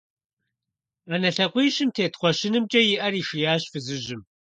Ӏэнэ лъакъуищым тет кхъуэщынымкӀэ и Ӏэр ишиящ фызыжьым.